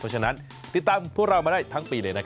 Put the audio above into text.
เพราะฉะนั้นติดตามพวกเรามาได้ทั้งปีเลย